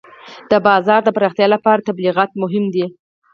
د بازار د پراختیا لپاره تبلیغات مهم دي.